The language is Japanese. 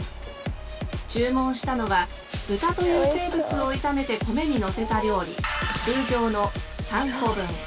注文したのは豚という生物を炒めて米にのせた料理通常の３個分。